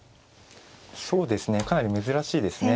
そうですねかなり珍しいですね。